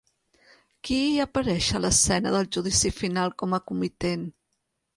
Qui hi apareix a l'escena del Judici Final com a comitent?